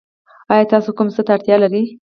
ایا تاسو کوم څه ته اړتیا لرئ؟